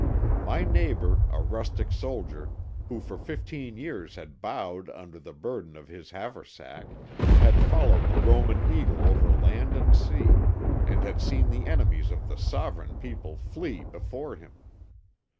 My neighbour, a rustic soldier, who for fifteen years had bowed under the burden of his haversack, had followed the Roman eagle over land and sea, and had seen the enemies of the sovereign people flee before him.